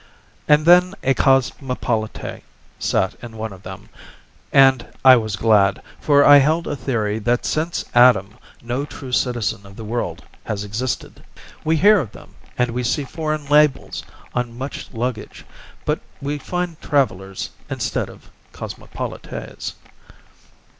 And then a cosmopolite sat in one of them, and I was glad, for I held a theory that since Adam no true citizen of the world has existed. We hear of them, and we see foreign labels on much luggage, but we find travellers instead of cosmopolites.